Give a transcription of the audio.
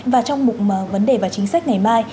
và trong vấn đề và chính sách ngày mai